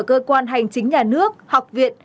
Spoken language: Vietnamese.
cơ quan hành chính nhà nước học viện